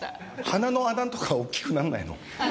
鼻の穴とか大きくなんないの？